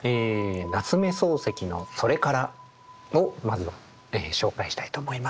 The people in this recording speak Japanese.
夏目漱石の「それから」をまずは紹介したいと思います。